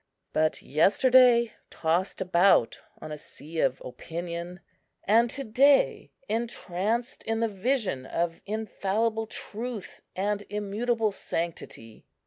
But yesterday tossed about on a sea of opinion; and to day entranced in the vision of infallible truth and immutable sanctity.